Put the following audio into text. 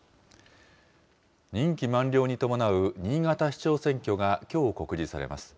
任期満了に伴う新潟市長選挙が、きょう告示されます。